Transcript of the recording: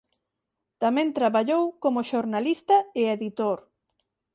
Tamén traballou como xornalista e editor.